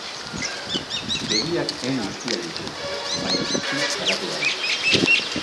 Begiak ehun guztiak ditu, baina guztiz garatu gabe.